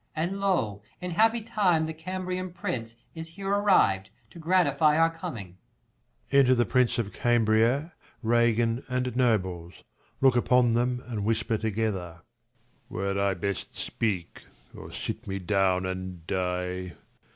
And lo, in happy time the Cambrian prince Is here arriv'd, to gratify our coming. 46 KING LEIR, AND [ ACT IV Enter the prince of Cambria, Ragan, and nobles : look upon thenij and ivhisper together. Lelr. Were I best speak, or sit me down and die